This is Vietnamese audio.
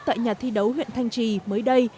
tại nhà thi đấu huyện thanh trì mới đây